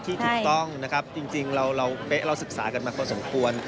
ที่ถูกต้องนะครับจริงเราเป๊ะเราศึกษากันมาพอสมควร